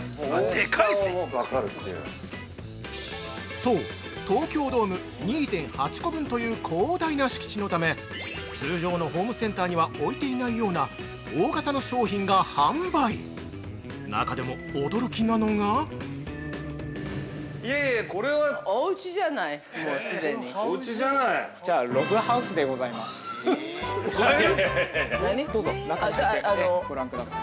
◆そう、東京ドーム２．８個分という広大な敷地のため通常のホームセンターには置いていないような大型の商品が販売中でも驚きなのが◆どうぞ中に入ってご覧ください。